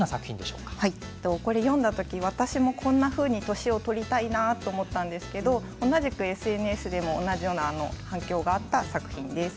これを読んだ時に私もこんなふうに年を取りたいなと思ったんですけれども同じくＳＮＳでも同じような反響があった作品です。